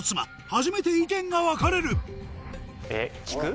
初めて意見が分かれるえっ聞く？